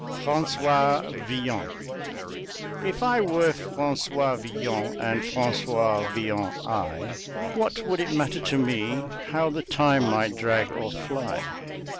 FRANCOIS VILLON If I were Francois Villon and Francois Villon I, What would it matter to me how the time might drag or fly?